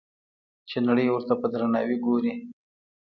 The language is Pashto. چې نړۍ ورته په درناوي ګوري.